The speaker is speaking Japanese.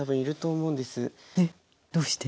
えっどうして？